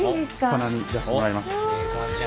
金網出してもらいます。